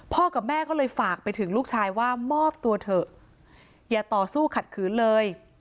กับแม่ก็เลยฝากไปถึงลูกชายว่ามอบตัวเถอะอย่าต่อสู้ขัดขืนเลย